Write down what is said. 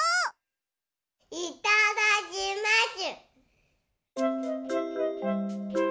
いただきます。